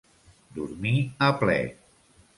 Dormir a pler.